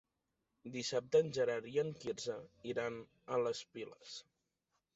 Dissabte en Gerard i en Quirze iran a les Piles.